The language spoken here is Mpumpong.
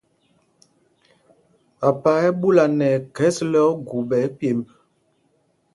Papa ɛ́ ɛ́ ɓúla nɛ ɛkhɛs lɛ ogu ɓɛ pyemb.